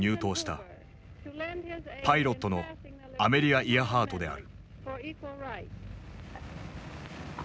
パイロットのアメリア・イアハートである。